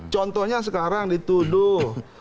contohnya sekarang dituduh